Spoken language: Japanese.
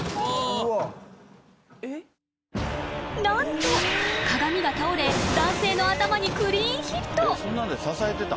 ［何と鏡が倒れ男性の頭にクリーンヒット］